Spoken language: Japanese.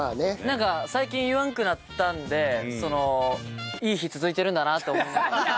なんか最近言わなくなったのでいい日続いてるんだなって思いながら。